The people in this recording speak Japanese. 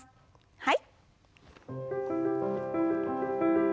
はい。